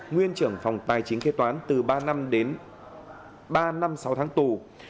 nguyên trưởng phòng tài chính kế toán từ ba năm đến ba năm sáu tháng tù